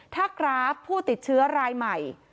ถ้ากราฟผู้ติดเชื้อรายใหม่